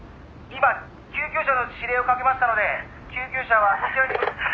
「今救急車の指令をかけましたので救急車は」